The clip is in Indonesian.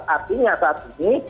artinya saat ini